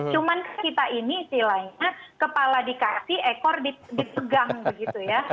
cuma kita ini silainya kepala dikasih ekor dipegang begitu ya